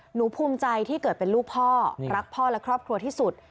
หนูภูมิใจที่เกิดเป็นลูกพ่อรักพ่อและครอบครัวที่สุด